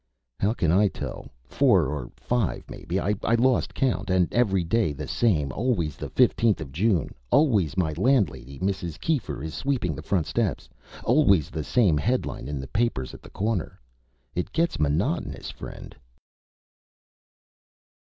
"How can I tell? Four or five, maybe. I lost count. And every day the same always the 15th of June, always my landlady, Mrs. Keefer, is sweeping the front steps, always the same headline in the papers at the corner. It gets monotonous, friend."